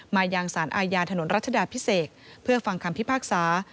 มายังสารอาญาถนนรัชดาพิเศษเพื่อฟังคำพิพากษา